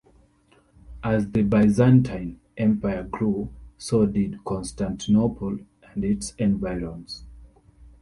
As the Byzantine Empire grew, so did Constantinople and its environs.